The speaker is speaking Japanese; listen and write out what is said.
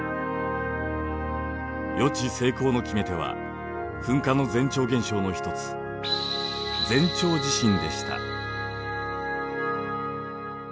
予知成功の決め手は噴火の前兆現象の一つ前兆地震でした。